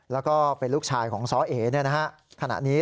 แล้วก็เป็นลูกชายของซ้อเอขณะนี้